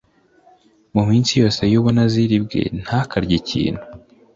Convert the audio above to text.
Mu minsi yose y ubunaziri bwe ntakarye ikintu